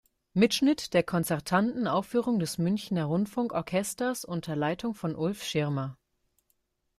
Mitschnitt der konzertanten Aufführung des Münchner Rundfunkorchesters unter Leitung von Ulf Schirmer.